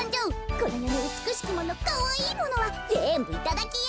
このよのうつくしきものかわいいものはぜんぶいただきよ！